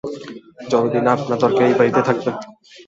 যতদিন আপনার দরকার এবাড়িতেই থাকবেন।